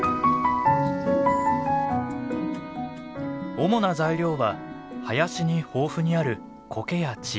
主な材料は林に豊富にあるコケや地衣類。